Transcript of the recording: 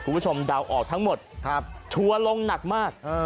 ผู้ชมเดาออกทั้งหมดถั่วลงหนักมาก